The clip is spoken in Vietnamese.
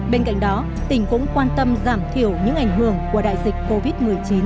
bên cạnh đó tỉnh cũng quan tâm giảm thiểu những ảnh hưởng của đại dịch covid một mươi chín